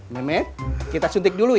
meme kita suntik dulu ya